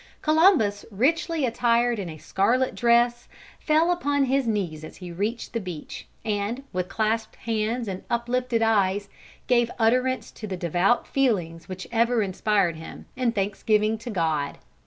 Columbus, richly attired in a scarlet dress, fell upon his knees as he reached the beach, and, with clasped hands and uplifted eyes, gave utterance to the devout feelings which ever inspired him, in thanksgiving to God.